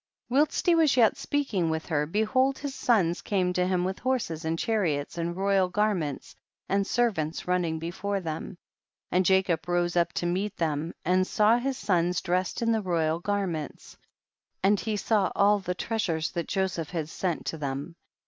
100. Whilst he was yet speaking ■with her, behold his sons came to him with horses and chariots and royal garments and servants running before them. 101. And Jacob rose up to meet them, and saw his sons dressed in royal garments and he saw all the treasures that Joseph had sent to them.